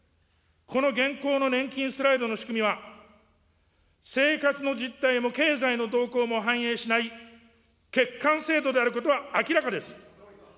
この現行の年金スライドの仕組みは、生活の実態も経済の動向も反映しない欠陥制度であることは明らかです。